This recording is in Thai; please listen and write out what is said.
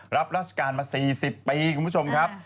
รับราชการมา๔๐ปีคุณผู้ชมครับ